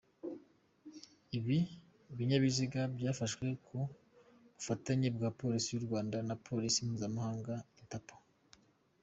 Ibi binyabiziga byafashwe ku bufatanye bwa Polisi y’u Rwanda na Polisi mpuzamahanga ‘Interpol’.